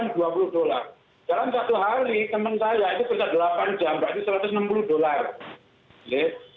dalam satu hari temen saya itu kerja delapan jam berarti rp satu ratus enam puluh